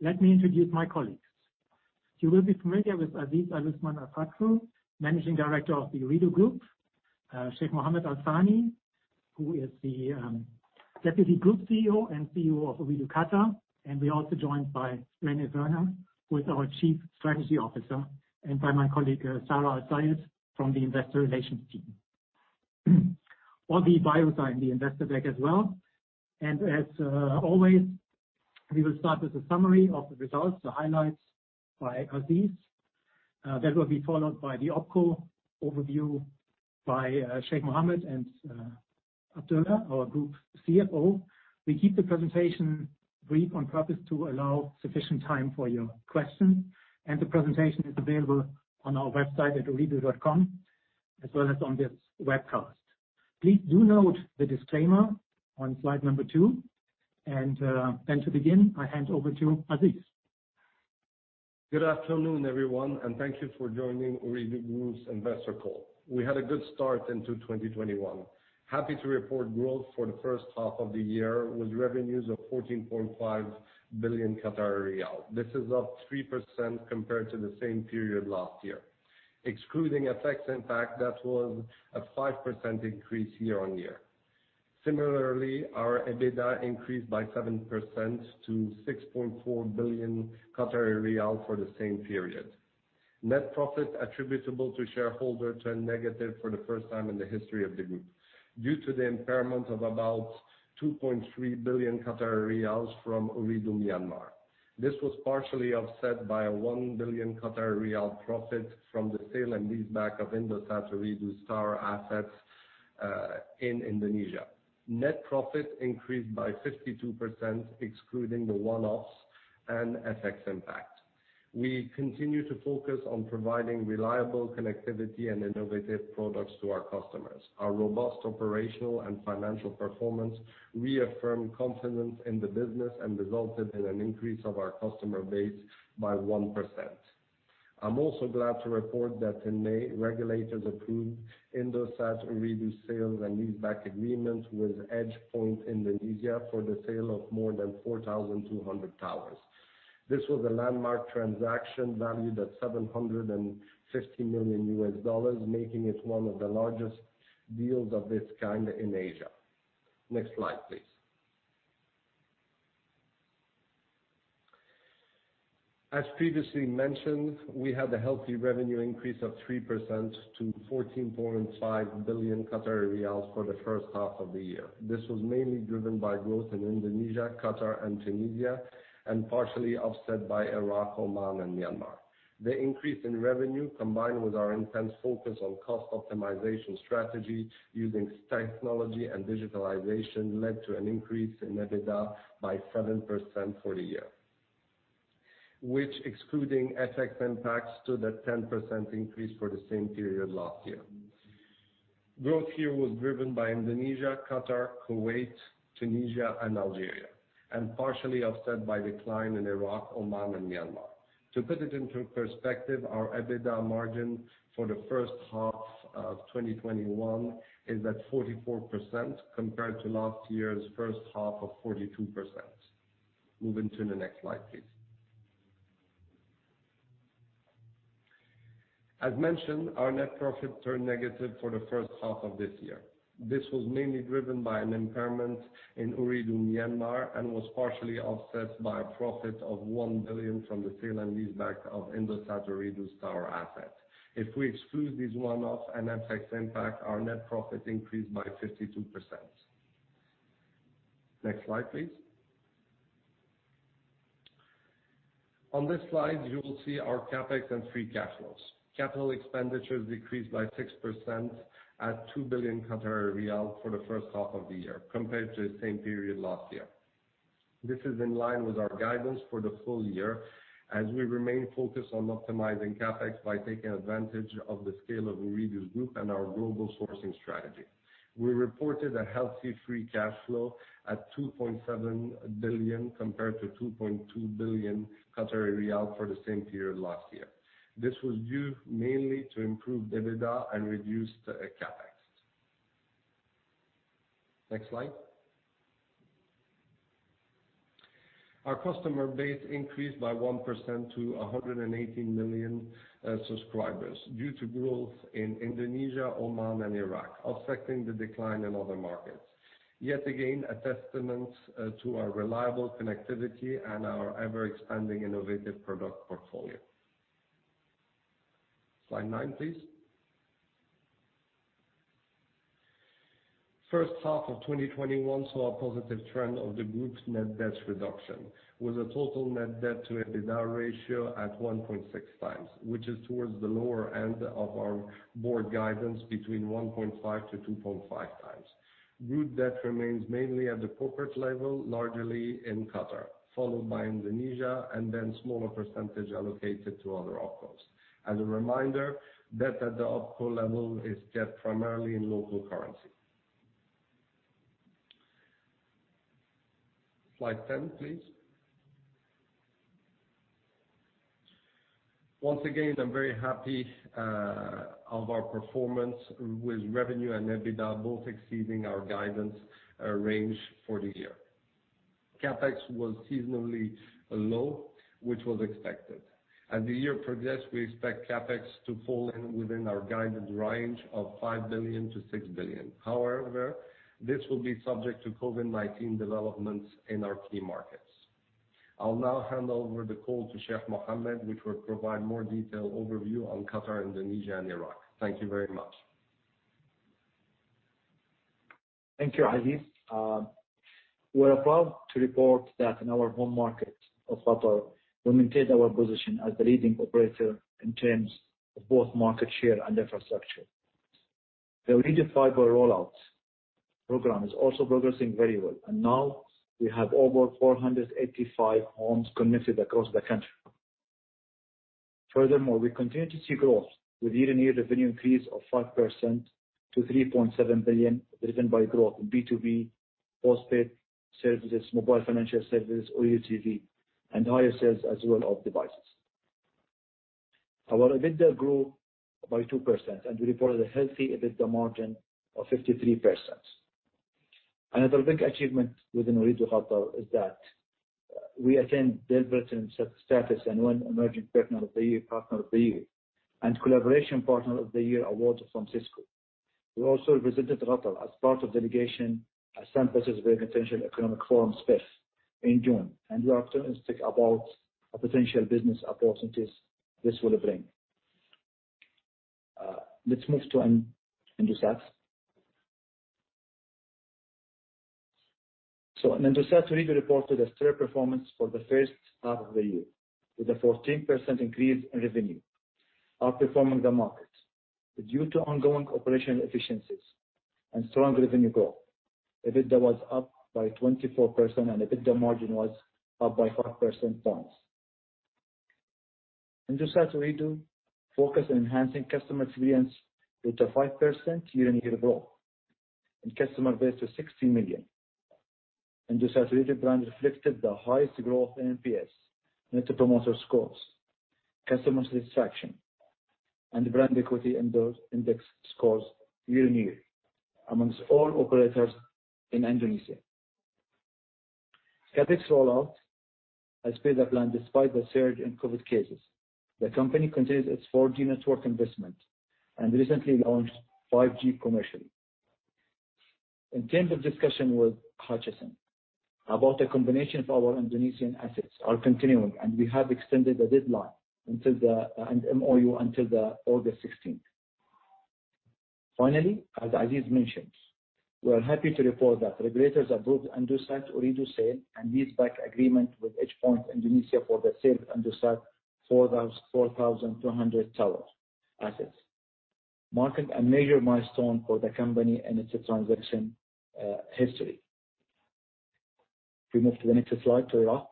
Let me introduce my colleagues. You will be familiar with Aziz Aluthman Fakhroo, Managing Director of the Ooredoo Group, Sheikh Mohammed Al-Thani, who is the Deputy Group CEO and CEO of Ooredoo Qatar, and we're also joined by René Werner, who is our Chief Strategy Officer, and by my colleague, Sara Al Sayed, from the Investor Relations team. All the bios are in the investor deck as well. As always, we will start with a summary of the results, the highlights by Aziz. That will be followed by the OpCo overview by Sheikh Mohammed and Abdulla Al Zaman, our Group CFO. We keep the presentation brief on purpose to allow sufficient time for your questions, and the presentation is available on our website at ooredoo.com as well as on this webcast. Please do note the disclaimer on slide number two. To begin, I hand over to Aziz. Good afternoon, everyone. Thank you for joining Ooredoo Group's investor call. We had a good start into 2021. Happy to report growth for the first half of the year with revenues of 14.5 billion riyal. This is up 3% compared to the same period last year. Excluding FX impact, that was a 5% increase year-on-year. Similarly, our EBITDA increased by 7% to 6.4 billion Qatari riyal for the same period. Net profit attributable to shareholder turned negative for the first time in the history of the group due to the impairment of about 2.3 billion riyals from Ooredoo Myanmar. This was partially offset by a 1 billion riyal profit from the sale and lease back of Indosat Ooredoo tower assets in Indonesia. Net profit increased by 52% excluding the one-offs and FX impact. We continue to focus on providing reliable connectivity and innovative products to our customers. Our robust operational and financial performance reaffirmed confidence in the business and resulted in an increase of our customer base by 1%. I'm also glad to report that in May, regulators approved Indosat Ooredoo sales and lease back agreements with EdgePoint Indonesia for the sale of more than 4,200 towers. This was a landmark transaction valued at $750 million, making it one of the largest deals of its kind in Asia. Next slide, please. As previously mentioned, we had a healthy revenue increase of 3% to 14.5 billion Qatari riyals for the first half of the year. This was mainly driven by growth in Indonesia, Qatar, and Tunisia, and partially offset by Iraq, Oman, and Myanmar. The increase in revenue, combined with our intense focus on cost optimization strategy using technology and digitalization, led to an increase in EBITDA by 7% for the year, which excluding FX impacts, stood at 10% increase for the same period last year. Growth here was driven by Indonesia, Qatar, Kuwait, Tunisia, and Algeria, and partially offset by decline in Iraq, Oman, and Myanmar. To put it into perspective, our EBITDA margin for the first half of 2021 is at 44% compared to last year's first half of 42%. Moving to the next slide, please. As mentioned, our net profit turned negative for the first half of this year. This was mainly driven by an impairment in Ooredoo Myanmar and was partially offset by a profit of $1 billion from the sale and lease back of Indosat Ooredoo's tower assets. If we exclude these one-offs and FX impact, our net profit increased by 52%. Next slide, please. On this slide, you will see our CapEx and free cash flows. Capital expenditures decreased by 6% at 2 billion riyals for the first half of the year compared to the same period last year. This is in line with our guidance for the full year, as we remain focused on optimizing CapEx by taking advantage of the scale of Ooredoo Group and our global sourcing strategy. We reported a healthy free cash flow at 2.7 billion compared to 2.2 billion for the same period last year. This was due mainly to improved EBITDA and reduced CapEx. Next slide. Our customer base increased by 1% to 118 million subscribers due to growth in Indonesia, Oman, and Iraq, offsetting the decline in other markets. Yet again, a testament to our reliable connectivity and our ever-expanding innovative product portfolio. Slide nine, please. First half of 2021 saw a positive trend of the group's net debt reduction, with a total net debt to EBITDA ratio at 1.6x, which is towards the lower end of our board guidance between 1.5x to 2.5x. Group debt remains mainly at the corporate level, largely in Qatar, followed by Indonesia, and then smaller percentage allocated to other OpCos. As a reminder, debt at the OpCo level is debt primarily in local currency. Slide 10, please. Once again, I'm very happy of our performance with revenue and EBITDA both exceeding our guidance range for the year. CapEx was seasonably low, which was expected. As the year progressed, we expect CapEx to fall in within our guided range of $5 billion-$6 billion. However, this will be subject to COVID-19 developments in our key markets. I'll now hand over the call to Sheikh Mohammed, which will provide more detailed overview on Qatar, Indonesia, and Iraq. Thank you very much. Thank you, Aziz. We're proud to report that in our home market of Qatar, we maintained our position as the leading operator in terms of both market share and infrastructure. The Ooredoo Fiber rollout program is also progressing very well. Now we have over 485 homes connected across the country. Furthermore, we continue to see growth with year-on-year revenue increase of 5% to 3.7 billion, driven by growth in B2B, postpaid services, mobile financial services, OTT, and higher sales as well of devices. Our EBITDA grew by 2%. We reported a healthy EBITDA margin of 53%. Another big achievement within Ooredoo Qatar is that we attained Dell Titanium status and won Emerging Partner of the Year and Collaboration Partner of the Year awards from Cisco. We also represented Qatar as part of delegation at St. Petersburg International Economic Forum, SPIEF, in June, and we are optimistic about potential business opportunities this will bring. Let's move to Indosat. Indosat Ooredoo reported a steady performance for the first half of the year with a 14% increase in revenue, outperforming the market. Due to ongoing operational efficiencies and strong revenue growth, EBITDA was up by 24% and EBITDA margin was up by 5 percentage points. Indosat Ooredoo focused on enhancing customer experience with a 5% year-on-year growth in customer base to 60 million. Indosat Ooredoo brand reflected the highest growth in NPS, net promoter scores, customer satisfaction, and brand equity index scores year-on-year amongst all operators in Indonesia. CapEx rollout has paid a plan despite the surge in COVID cases. The company continues its 4G network investment and recently launched 5G commercially. Intensive discussion with Hutchison about a combination of our Indonesian assets are continuing, and we have extended the deadline and MoU until the August 16th. Finally, as Aziz mentioned, we are happy to report that regulators approved Indosat Ooredoo sale and lease back agreement with EdgePoint Indonesia for the sale of Indosat's 4,200 tower assets, marking a major milestone for the company and its transaction history. If we move to the next slide to Iraq.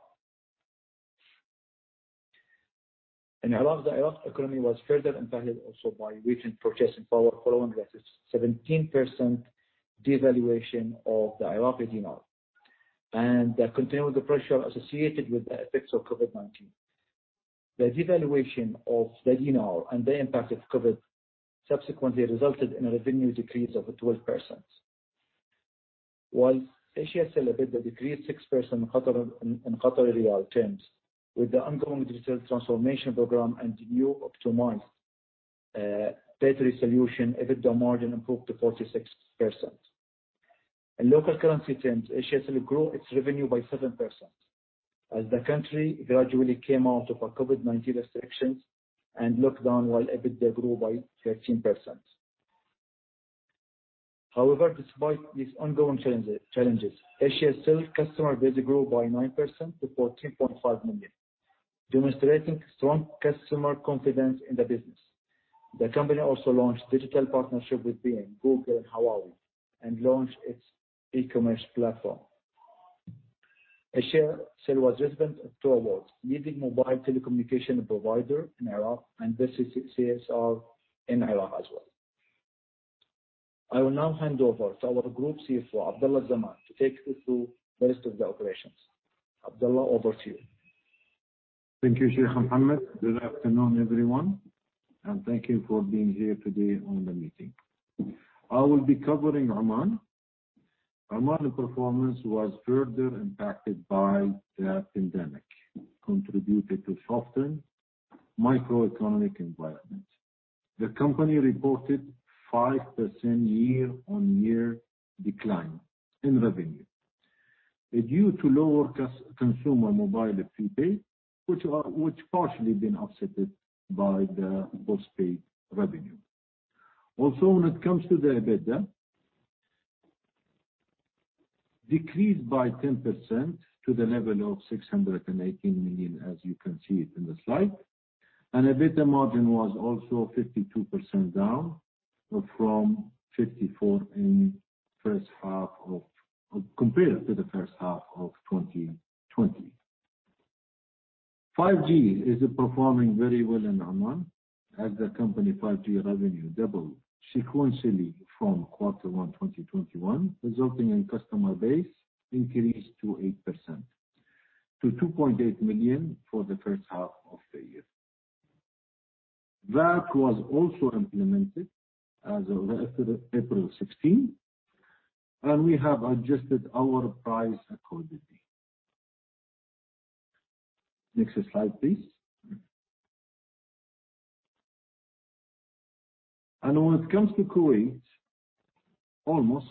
In Iraq, the Iraq economy was further impacted also by recent protests following the 17% devaluation of the Iraqi dinar and the continuing pressure associated with the effects of COVID-19. The devaluation of the dinar and the impact of COVID subsequently resulted in a revenue decrease of 12%. While Asiacell EBITDA decreased 6% in QAR terms with the ongoing digital transformation program and new optimized data solution, EBITDA margin improved to 46%. In local currency terms, Asiacell grew its revenue by 7% as the country gradually came out of a COVID-19 restrictions and lockdown, while EBITDA grew by 13%. Despite these ongoing challenges, Asiacell customer base grew by 9% to 43.5 million, demonstrating strong customer confidence in the business. The company also launched digital partnership with IBM, Google, and Huawei and launched its e-commerce platform. Asiacell was recipient of two awards, Leading Mobile Telecommunication Provider in Iraq and Best CSR in Iraq as well. I will now hand over to our Group Chief Financial Officer, Abdulla Al Zaman, to take you through the rest of the operations. Abdulla, over to you. Thank you, Sheikh Mohammed. Good afternoon, everyone, and thank you for being here today on the meeting. I will be covering Oman. Oman performance was further impacted by the pandemic, contributed to soften microeconomic environment. The company reported 5% year-on-year decline in revenue due to lower consumer mobile prepaid, which partially been offset by the postpaid revenue. When it comes to the EBITDA, decreased by 10% to the level of 618 million, as you can see it in the slide. EBITDA margin was also 52% down from 54% compared to the first half of 2020. 5G is performing very well in Oman. As the company 5G revenue double sequentially from quarter one 2021, resulting in customer base increase to 8%, to 2.8 million for the first half of the year. That was also implemented as of April 16, and we have adjusted our price accordingly. Next slide, please. When it comes to Kuwait, almost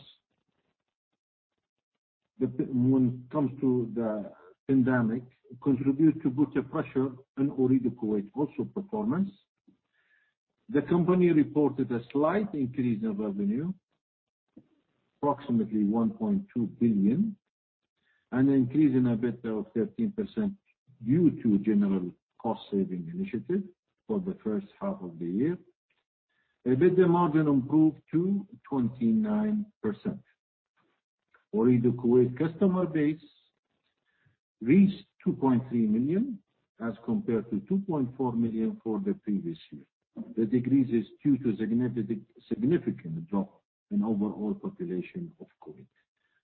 when it comes to the pandemic, contribute to put a pressure on Ooredoo Kuwait also performance. The company reported a slight increase of revenue, approximately 1.2 billion, and increase in EBITDA of 13% due to general cost saving initiative for the first half of the year. EBITDA margin improved to 29%. Ooredoo Kuwait customer base reached 2.3 million as compared to 2.4 million for the previous year. The decrease is due to significant drop in overall population of Kuwait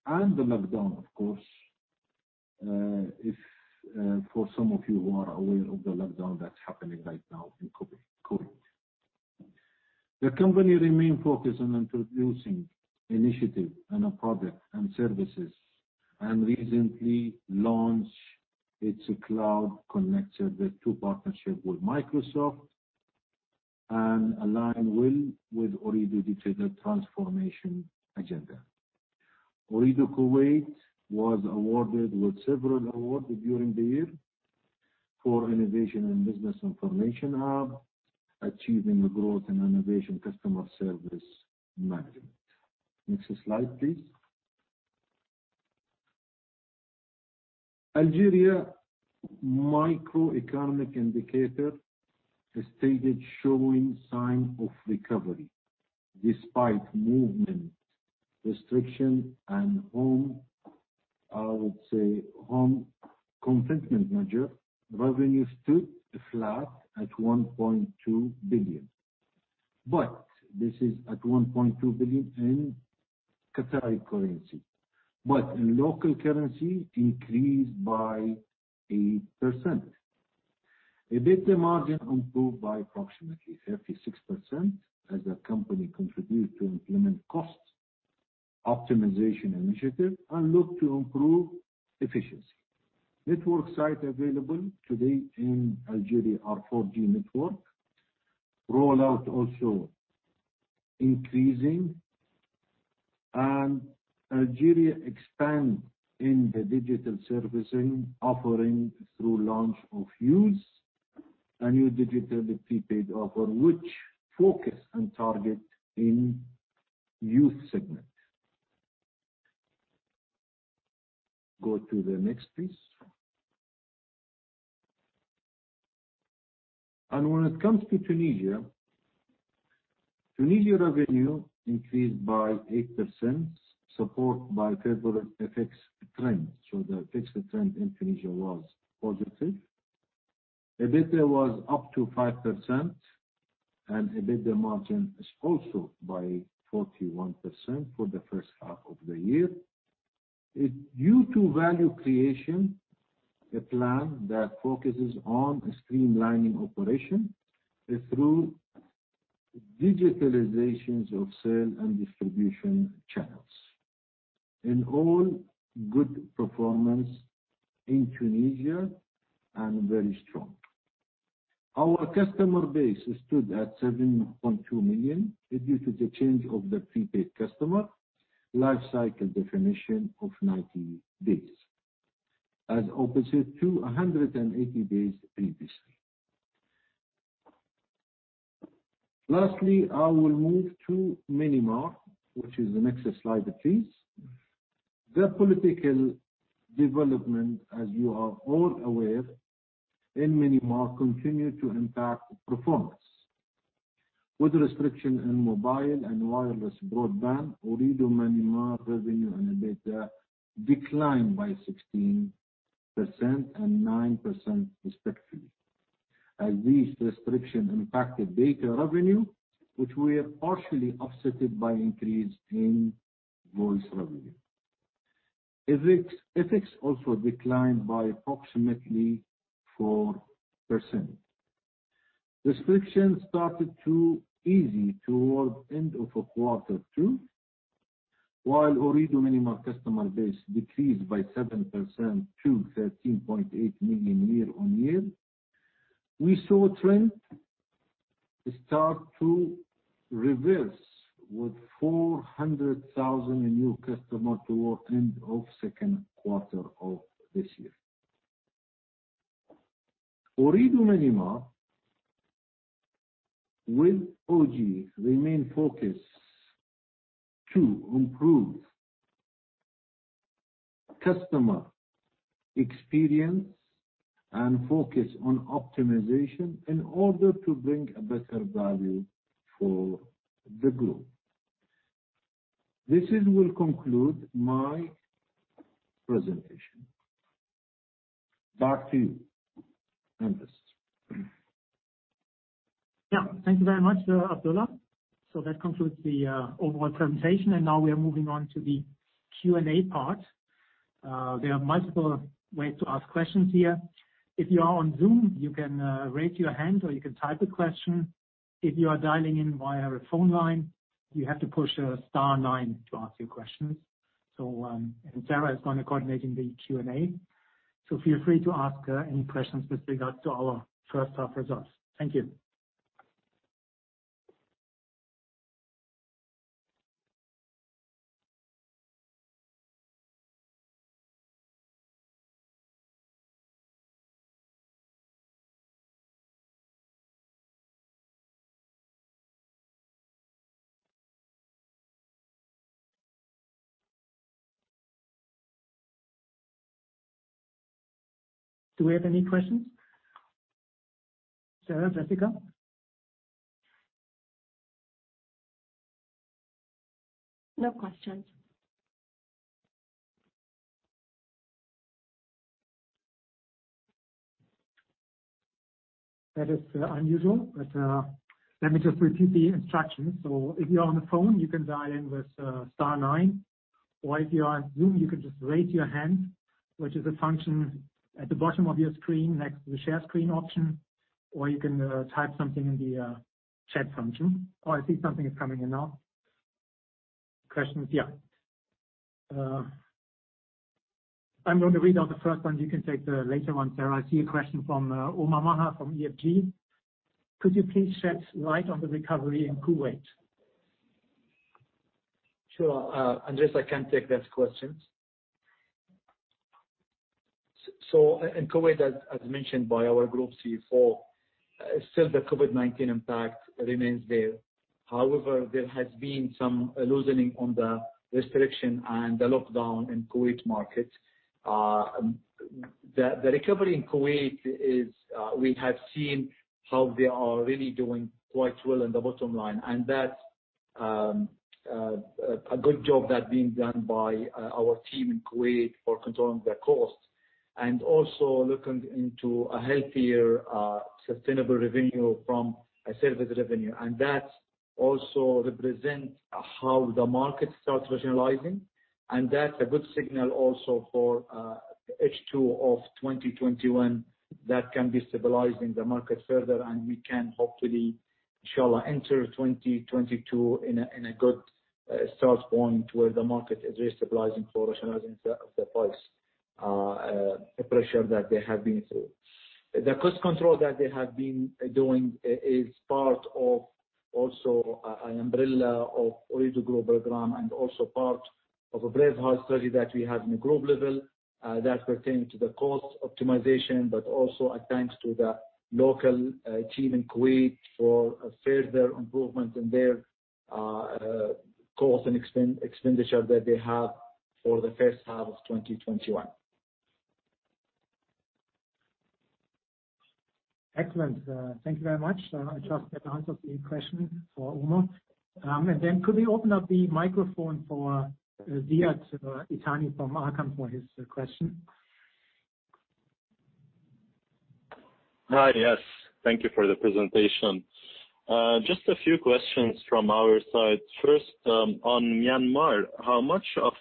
and the lockdown, of course, if for some of you who are aware of the lockdown that's happening right now in Kuwait. The company remain focused on introducing initiative and a product and services, and recently launch its cloud connected with two partnership with Microsoft and align well with Ooredoo digital transformation agenda. Ooredoo Kuwait was awarded with several awards during the year for innovation in business information hub, achieving growth in innovation customer service management. Next slide, please. Algeria macroeconomic indicator has stated showing sign of recovery despite movement restriction and home, I would say, home confinement measure. Revenue stood flat at 1.2 billion. This is at 1.2 billion in Qatari currency, in local currency increased by 8%. EBITDA margin improved by approximately 36% as the company continue to implement cost optimization initiative and look to improve efficiency. Network site available today in Algeria are 4G network, rollout also increasing. Algeria expand in the digital servicing offering through launch of Yooz, a new digital prepaid offer which focus on target in youth segment. Go to the next, please. When it comes to Tunisia revenue increased by 8%, support by favorable FX trend. The FX trend in Tunisia was positive. EBITDA was up to 5%, and EBITDA margin is also by 41% for the first half of the year. It due to value creation, a plan that focuses on streamlining operation through digitalizations of sale and distribution channels. In all, good performance in Tunisia and very strong. Our customer base stood at 7.2 million. It due to the change of the prepaid customer life cycle definition of 90 days, as opposed to 180 days previously. Lastly, I will move to Myanmar, which is the next slide, please. The political development, as you are all aware, in Myanmar continue to impact performance. With restriction in mobile and wireless broadband, Ooredoo Myanmar revenue and EBITDA declined by 16% and 9% respectively, as these restriction impacted data revenue, which were partially offset by increase in voice revenue. FX also declined by approximately 4%. Restriction started to ease towards end of quarter two. Ooredoo Myanmar customer base decreased by 7% to 13.8 million year-on-year. We saw trend start to reverse with 400,000 new customers toward end of second quarter of this year. Ooredoo Myanmar with OG remain focused to improve customer experience and focus on optimization in order to bring a better value for the group. This will conclude my presentation. Back to Andreas. Yeah. Thank you very much, Abdulla. That concludes the overall presentation, and now we are moving on to the Q&A part. There are multiple ways to ask questions here. If you are on Zoom, you can raise your hand, or you can type a question. If you are dialing in via a phone line, you have to push star nine to ask your questions. Sara is going to be coordinating the Q&A, so feel free to ask her any questions with regards to our first half results. Thank you. Do we have any questions? Sara, Jessica? No questions. That is unusual. Let me just repeat the instructions. If you're on the phone, you can dial in with star nine. If you are on Zoom, you can just raise your hand, which is a function at the bottom of your screen next to the share screen option. You can type something in the chat function. I see something is coming in now. Questions. I'm going to read out the first one. You can take the later one, Sarah. I see a question from Omar Maher from EFG. Could you please shed light on the recovery in Kuwait? Sure. Andreas, I can take that question. In Kuwait, as mentioned by our Group CFO, still the COVID-19 impact remains there. However, there has been some loosening on the restriction and the lockdown in Kuwait market. The recovery in Kuwait is, we have seen how they are really doing quite well in the bottom line. That's a good job that being done by our team in Kuwait for controlling the cost and also looking into a healthier, sustainable revenue from a service revenue. That also represents how the market starts rationalizing. That's a good signal also for H2 2021 that can be stabilizing the market further, and we can hopefully, Inshallah, enter 2022 in a good start point where the market is restabilizing for rationalizing the price pressure that they have been through. The cost control that they have been doing is part of also an umbrella of Ooredoo Group program and also part of a Braveheart study that we have in the group level that pertain to the cost optimization, but also a thanks to the local team in Kuwait for a further improvement in their cost and expenditure that they have for the first half of 2021. Excellent. Thank you very much. I just get the answer to the question for Omar. Then could we open up the microphone for Ziad Itani from Arqaam Capital for his question? Hi. Yes, thank you for the presentation. Just a few questions from our side. First, on Myanmar, how much of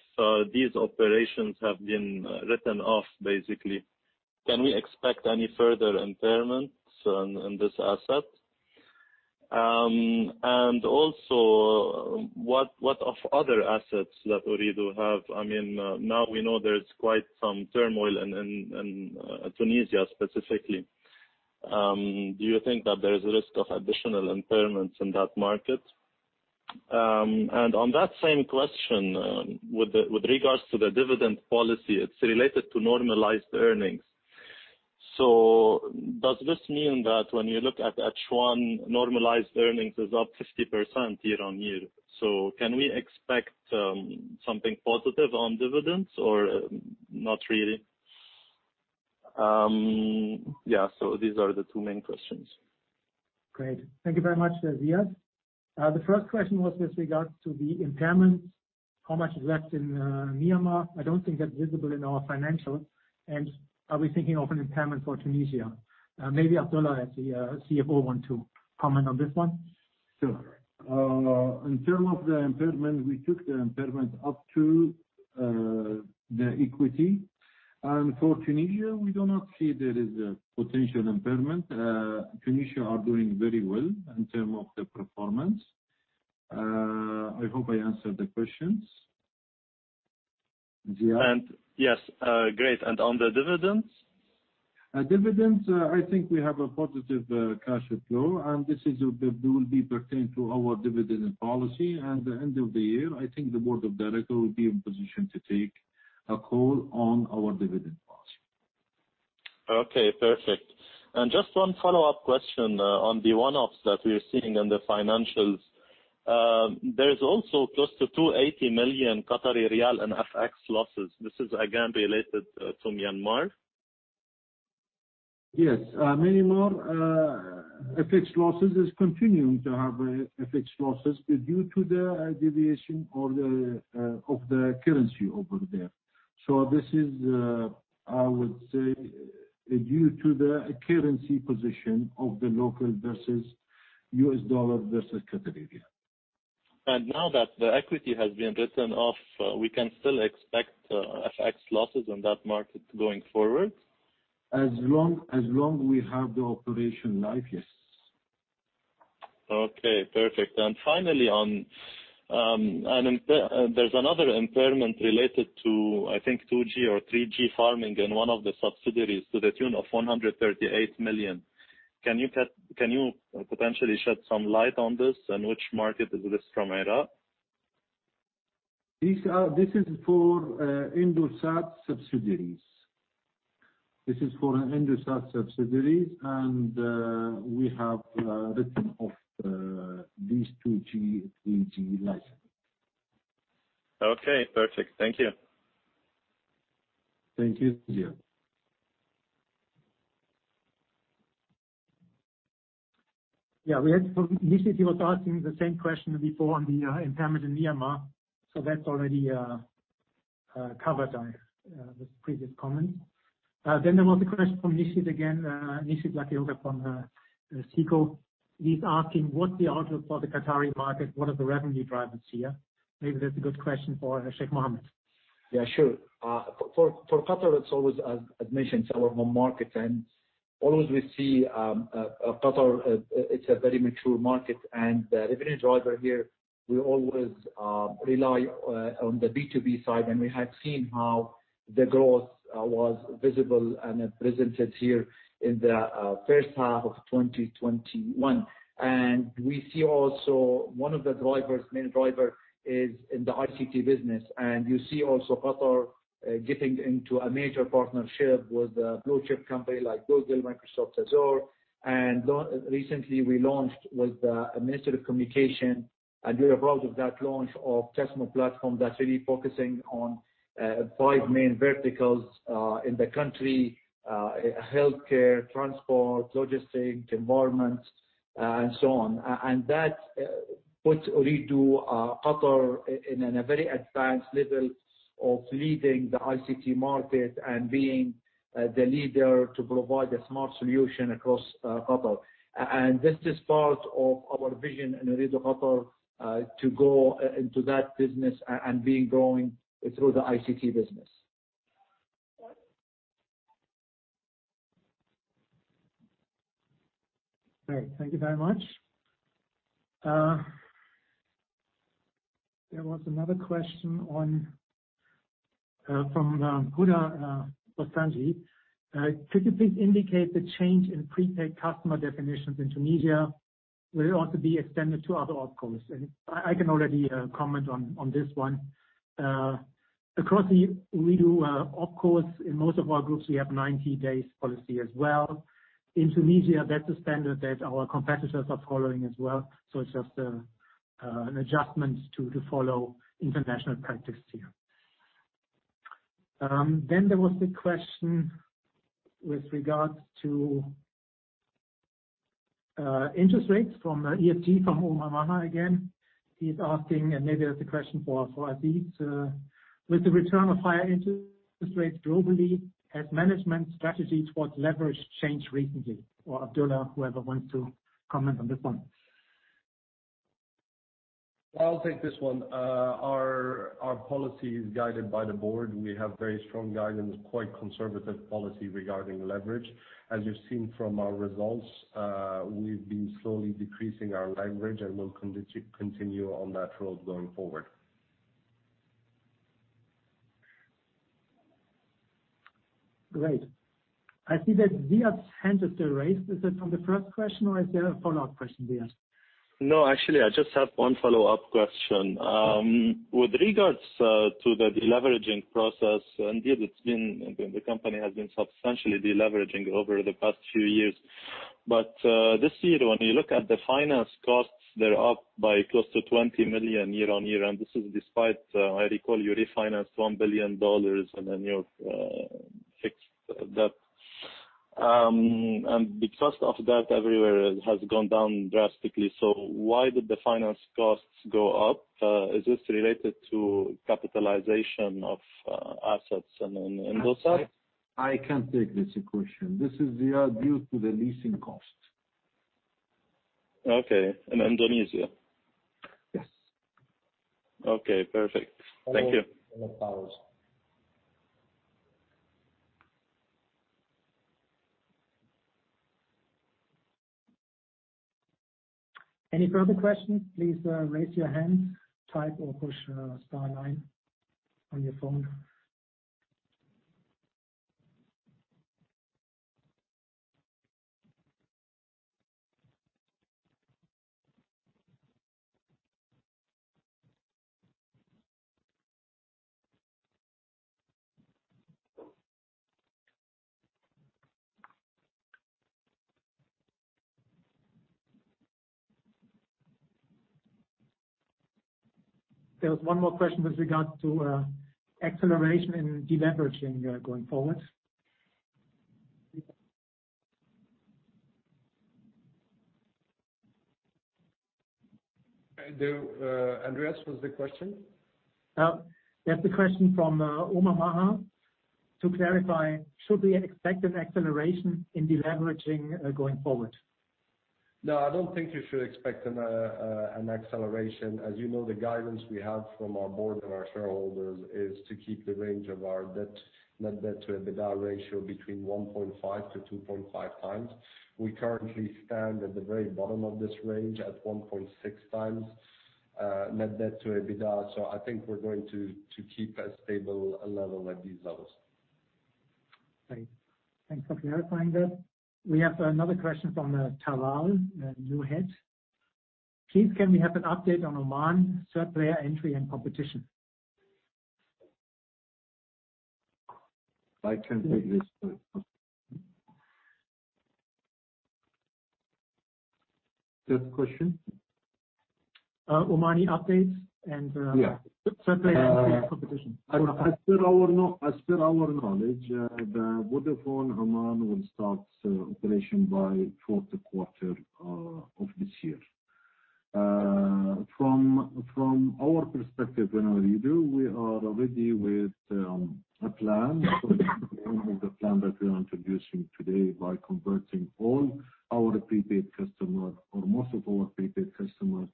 these operations have been written off, basically? Can we expect any further impairments in this asset? What of other assets that Ooredoo have? I mean, now we know there's quite some turmoil in Tunisia specifically. Do you think that there is a risk of additional impairments in that market? On that same question, with regards to the dividend policy, it's related to normalized earnings. Does this mean that when you look at H1, normalized earnings is up 50% year-on-year. Can we expect something positive on dividends or not really? Yeah. These are the two main questions. Great. Thank you very much, Ziad. The first question was with regard to the impairment, how much is left in Myanmar? I don't think that's visible in our financial. Are we thinking of an impairment for Tunisia? Maybe Abdullah as the CFO want to comment on this one. Sure. In terms of the impairment, we took the impairment up to the equity. For Tunisia, we do not see there is a potential impairment. Tunisia is doing very well in terms of the performance. I hope I answered the questions, Ziad. Yes. Great. On the dividends? Dividends, I think we have a positive cash flow, and this will be pertained to our dividend policy. The end of the year, I think the board of director will be in position to take a call on our dividend policy. Okay, perfect. Just one follow-up question on the one-offs that we're seeing in the financials. There is also close to 280 million Qatari riyal in FX losses. This is again related to Myanmar? Yes. Many more FX losses is continuing to have FX losses due to the deviation of the currency over there. This is, I would say, due to the currency position of the local versus US dollar versus Qatari riyal. Now that the equity has been written off, we can still expect FX losses in that market going forward? As long we have the operation live, yes. Okay, perfect. Finally, there's another impairment related to, I think, 2G or 3G farming in one of the subsidiaries to the tune of 138 million. Can you potentially shed some light on this? Which market is this from, Ooredoo? This is for Indosat subsidiaries, and we have written off these 2G, 3G licenses. Okay, perfect. Thank you. Thank you. Yeah. Nishit was asking the same question before on the impairment in Myanmar. That's already covered with previous comments. There was a question from Nishit again, Nishit Lakhotia from SICO. He's asking what the outlook for the Qatari market, what are the revenue drivers here? Maybe that's a good question for Sheikh Mohammed. Yeah, sure. For Qatar, it is always as mentioned, our home market, and always we see Qatar, it is a very mature market. The revenue driver here, we always rely on the B2B side, and we have seen how the growth was visible and presented here in the first half of 2021. We see also one of the main drivers is in the ICT business. You see also Qatar getting into a major partnership with a blue-chip company like Google, Microsoft Azure. Recently we launched with the Ministry of Communication, and we are proud of that launch of TASMU platform that is really focusing on five main verticals in the country: healthcare, transport, logistics, environment, and so on. That puts Ooredoo Qatar in a very advanced level of leading the ICT market and being the leader to provide a smart solution across Qatar. This is part of our vision in Ooredoo Qatar to go into that business and being growing through the ICT business. Great. Thank you very much. There was another question from Huda Basungi. Could you please indicate the change in prepaid customer definitions in Tunisia will also be extended to other OpCos? I can already comment on this one. Across the Ooredoo OpCos in most of our groups, we have 90 days policy as well. In Tunisia, that's the standard that our competitors are following as well. It's just an adjustment to follow international practice here. There was the question with regards to interest rates from EFG from Omar Maher again. He's asking, maybe that's a question for Aziz. With the return of higher interest rates globally, has management strategy towards leverage changed recently? Abdullah, whoever wants to comment on this one. I'll take this one. Our policy is guided by the board. We have very strong guidance, quite conservative policy regarding leverage. As you've seen from our results, we've been slowly decreasing our leverage and will continue on that road going forward. Great. I see that Ziad's hand is still raised. Is it from the first question or is there a follow-up question, Ziad? Actually, I just have one follow-up question. With regards to the deleveraging process, indeed, the company has been substantially deleveraging over the past few years. This year, when you look at the finance costs, they're up by close to 20 million year-on-year, and this is despite I recall you refinanced QAR 1 billion in a new fixed debt. The cost of debt everywhere has gone down drastically, why did the finance costs go up? Is this related to capitalization of assets in Indosat? I can take this question. This is, Ziad, due to the leasing cost. Okay. In Indonesia? Yes. Okay, perfect. Thank you. All powers. Any further questions, please raise your hand, type, or push star nine on your phone. There was one more question with regards to acceleration and deleveraging going forward. Andreas, what's the question? That's the question from Omar Maher. To clarify, should we expect an acceleration in deleveraging going forward? No, I don't think you should expect an acceleration. As you know, the guidance we have from our board and our shareholders is to keep the range of our net debt to EBITDA ratio between 1.5-2.5x. We currently stand at the very bottom of this range at 1.6x net debt to EBITDA. I think we're going to keep a stable level at these levels. Great. Thanks for clarifying that. We have another question from Talal Al-Nahedh. Please, can we have an update on Oman third player entry and competition? I can take this one. Third question? Omani updates. Yeah third player entry and competition. As per our knowledge, Vodafone Oman will start operation by fourth quarter of this year. From our perspective in Ooredoo, we are ready with a plan. This is one of the plans that we are introducing today by converting all our prepaid customers, or most of our prepaid customers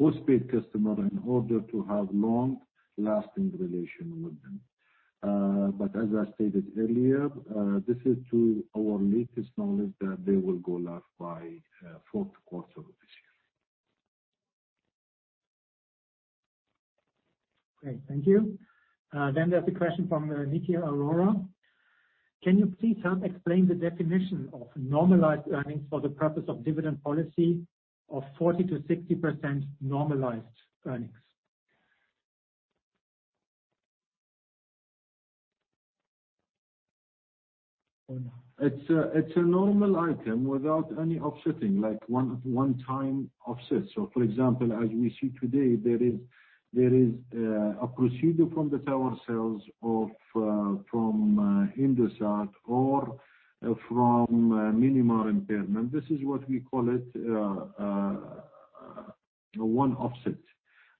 to postpaid customers in order to have long-lasting relation with them. As I stated earlier, this is to our latest knowledge that they will go live by fourth quarter of this year. Great, thank you. There's a question from Nitya Arora. Can you please help explain the definition of normalized earnings for the purpose of dividend policy of 40%-60% normalized earnings? It's a normal item without any offsetting, like one time offset. For example, as we see today, there is a proceeds from the tower sales from Indosat or from Myanmar impairment. This is what we call it one offset.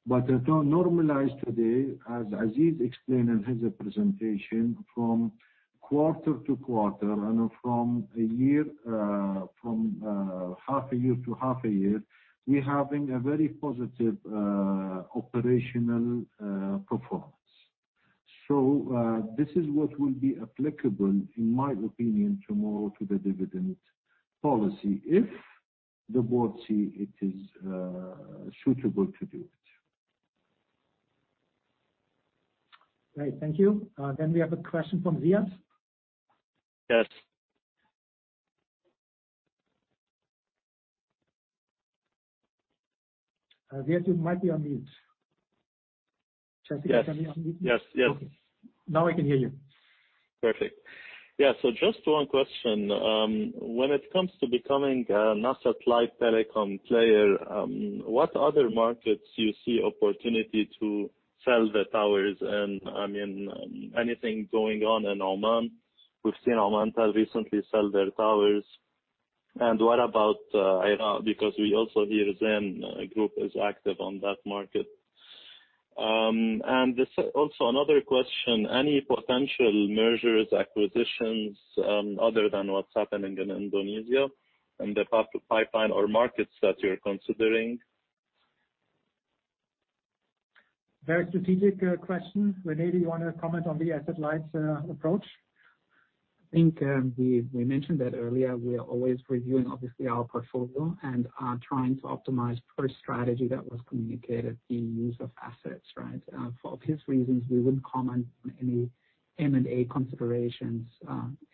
Normalized today, as Aziz explained in his presentation, from quarter to quarter and from half a year to half a year, we're having a very positive operational performance. This is what will be applicable, in my opinion, tomorrow to the dividend policy if the board see it is suitable to do it. Great, thank you. We have a question from Ziad. Yes. Ziad, you might be on mute. Yes. Okay. Now I can hear you. Perfect. Yeah. Just one question. When it comes to becoming an asset-light telecom player, what other markets you see opportunity to sell the towers and anything going on in Oman? We've seen Omantel recently sell their towers. What about Iraq? Because we also hear Zain Group is active on that market. Another question, any potential mergers, acquisitions, other than what's happening in Indonesia in the top pipeline or markets that you're considering? Very strategic question. René, do you want to comment on the asset-light approach? I think we mentioned that earlier. We are always reviewing, obviously our portfolio and are trying to optimize per strategy that was communicated the use of assets, right? For obvious reasons, we wouldn't comment on any M&A considerations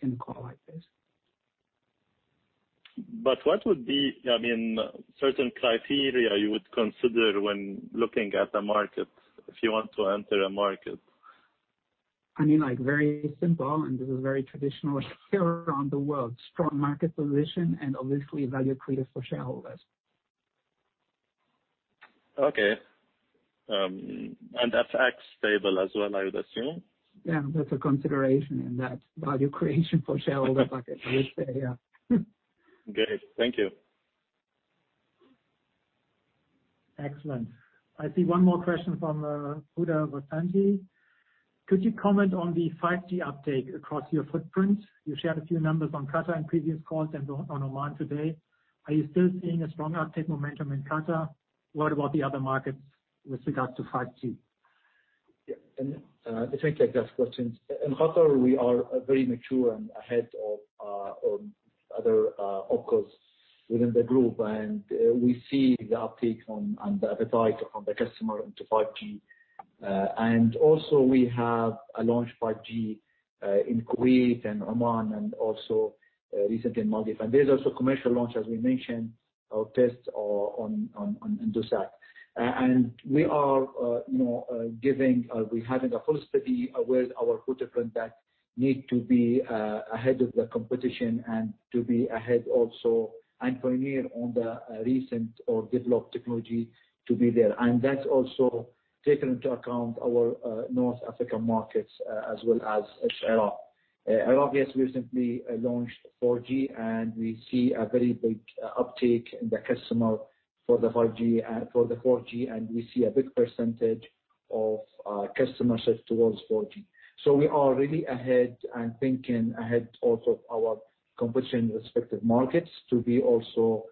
in a call like this. What would be certain criteria you would consider when looking at the market if you want to enter a market? I mean, like very simple, and this is very traditional around the world, strong market position and obviously value creative for shareholders. Okay. FX stable as well, I would assume? Yeah, that's a consideration in that value creation for shareholders bucket, I would say, yeah. Great, thank you. Excellent. I see one more question from Huda Basungi. Could you comment on the 5G uptake across your footprint? You shared a few numbers on Qatar in previous calls and on Oman today. Are you still seeing a strong uptake momentum in Qatar? What about the other markets with regards to 5G? If I can take that question. In Qatar, we are very mature and ahead of other OpCos within the group, and we see the uptake and the appetite from the customer into 5G. Also, we have launched 5G in Kuwait and Oman and also recently in Maldives. There's also commercial launch, as we mentioned, or test on Indosat. We are having a full study with our footprint that need to be ahead of the competition and to be ahead also and pioneer on the recent or developed technology to be there. That's also taken into account our North Africa markets, as well as Iraq. Iraq, yes, we recently launched 4G, and we see a very big uptake in the customer for the 4G, and we see a big percentage of customers shift towards 4G. We are really ahead and thinking ahead also of our competition respective markets to be also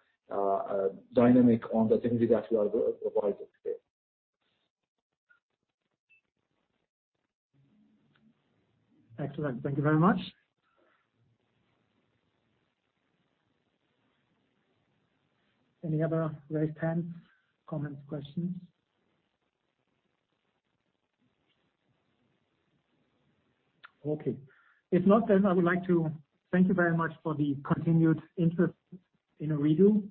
dynamic on the technology that we are providing today. Excellent. Thank you very much. Any other raised hands, comments, questions? If not, then I would like to thank you very much for the continued interest in Ooredoo.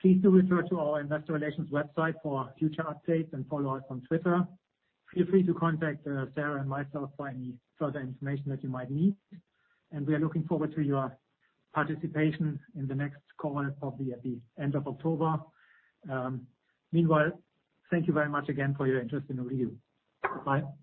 Please do refer to our investor relations website for future updates and follow us on Twitter. Feel free to contact Sarah and myself for any further information that you might need, and we are looking forward to your participation in the next call, probably at the end of October. Meanwhile, thank you very much again for your interest in Ooredoo. Bye-bye.